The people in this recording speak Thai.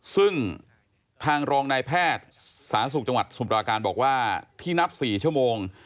ซึ่งทางรองนายแพทย์สาธารณสุขจังหวัดสมุทราการบอกว่าที่นับ๔ชั่วโมง